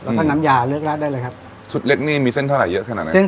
แล้วก็น้ำยาเลือกราดได้เลยครับชุดเล็กนี่มีเส้นเท่าไหร่เยอะขนาดนั้นเส้น